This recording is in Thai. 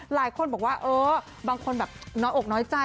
หลายคนบอกว่าเออบางคนแบบน้อยอกน้อยใจ